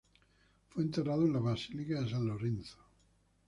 Fue enterrado en la Basílica de San Lorenzo.